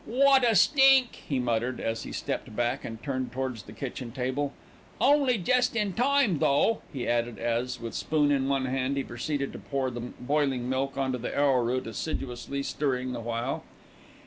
"Wot a stink," he muttered, as he stepped back and turned towards the kitchen table. "Only jest in time, though," he added as, with spoon in one hand, he proceeded to pour the boiling milk on to the arrowroot, assiduously stirring the while.